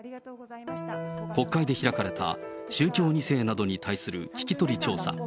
国会で開かれた、宗教２世などに対する聞き取り調査。